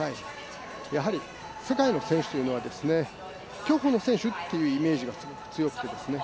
やはり、世界の選手というのは、競歩の選手っていうイメージがすごく強くてですね